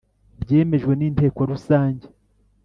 byemejwe n Inteko rusange